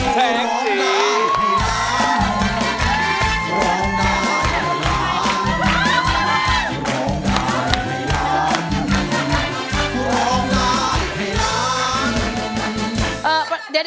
เดี๋ยวมาขายยาอะไรเขาเนี่ย